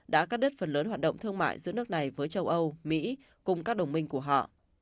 đã cắt đứt phần lớn hoạt động thương mại giữa nước này với châu âu mỹ cùng các đồng minh của họ